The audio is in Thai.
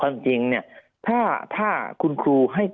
ภารกิจสรรค์ภารกิจสรรค์